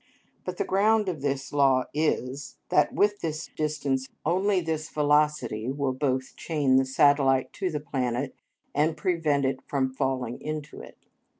But the ground of this law is, that with this distance only this velocity will both chain the satellite to the planet and prevent it from falling into it.